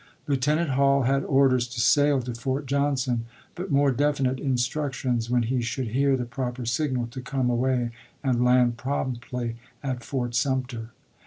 Lieutenant Hall had orders to sail to Fort Johnson, but more definite instructions, when he should hear the proper signal to come away and land promptly at Fort Sumter.